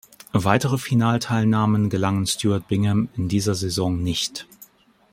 Weitere Finalteilnahmen gelangen Stuart Bingham in dieser Saison nicht.